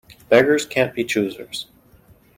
Beggars can't be choosers.